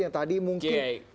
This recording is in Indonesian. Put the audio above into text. yang tadi mungkin